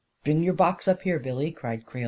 " Bring your box up here, Billy," cried Creel.